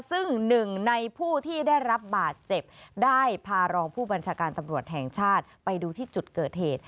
ซึ่งหนึ่งในผู้ที่ได้รับบาดเจ็บได้พารองผู้บัญชาการตำรวจแห่งชาติไปดูที่จุดเกิดเหตุ